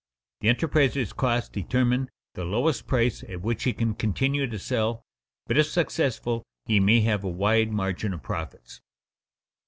_The enterpriser's costs determine the lowest price at which he can continue to sell, but if successful he may have a wide margin of profits.